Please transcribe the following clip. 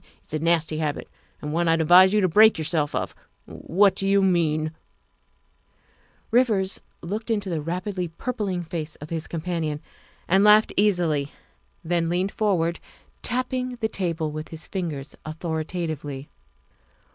It's a nasty habit, and one that I'd advise you to break yourself of. What do you mean ?'' Rivers looked into the rapidly purpling face of his companion and laughed easily, then leaned forward, tapping the table with his fingers authoritatively.